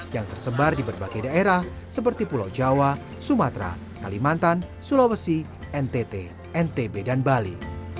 yang tersebar di berbagai daerah seperti pulau jawa sumatera kalimantan sulawesi ntt ntb dan bali